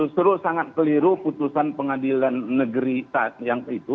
seru sangat keliru putusan pengadilan negeri yang itu